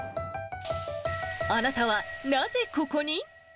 あなたはなぜココに？